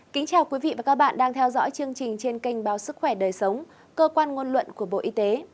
kính chào quý vị và các bạn đang theo dõi chương trình trên kênh báo sức khỏe đời sống cơ quan ngôn luận của bộ y tế